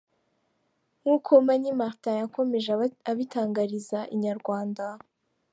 Nk’uko Mani Martin yakomeje abitangariza inyarwanda.